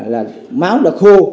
là máu đã khô